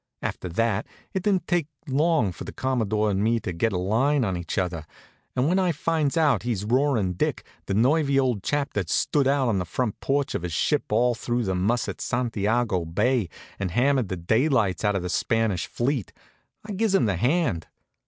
After that it didn't take long for the Commodore and me to get a line on each other, and when I finds out he's Roaring Dick, the nervy old chap that stood out on the front porch of his ship all through the muss at Santiago Bay and hammered the daylights out of the Spanish fleet, I gives him the hand.